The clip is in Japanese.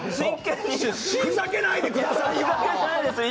ふざけないでくださいよ！